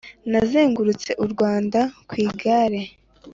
Nazengurutse u Rwanda kwigare